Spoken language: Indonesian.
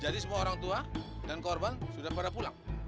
jadi semua orang tua dan korban sudah pada pulang